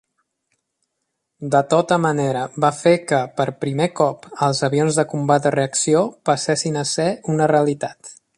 De tota manera, va fer que, per primer cop, els avions de combat a reacció passessin a ser una realitat.